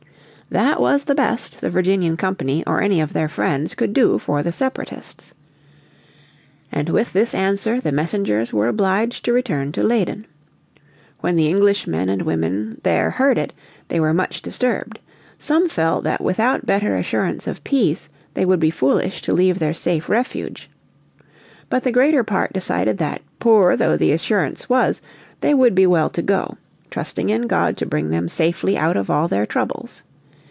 That was the best the Virginian Company or any of their friends could do for the Separatists. And with this answer the messengers were obliged to return to Leyden. When the English men and women there heard it they were much disturbed. Some felt that without better assurance of peace they would be foolish to leave their safe refuge. But the greater part decided that poor though the assurance was they would be well to go, trusting in God to bring them safely out of all their troubles.